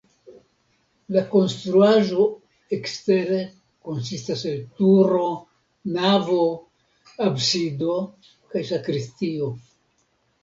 La konstruaĵo ekstere konsistas el turo, navo, absido kaj sakristio.